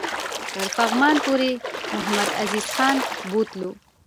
تر پغمان پوري محمدعزیز خان بوتلو.